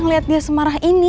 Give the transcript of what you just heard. ngeliat dia semarah ini